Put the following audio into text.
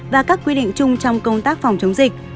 và các quy định chung trong công tác phòng chống dịch